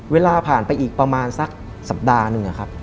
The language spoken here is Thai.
เวลาผ่านไปอีกประมาณสักสัปดาห์หนึ่งครับ